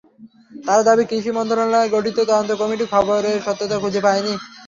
তাঁর দাবি, কৃষি মন্ত্রণালয় গঠিত তদন্ত কমিটি খবরের সত্যতা খুঁজে পায়নি।